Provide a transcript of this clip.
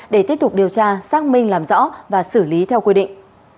để tiếp tục điều tra xác minh làm rõ và xử lý theo quy định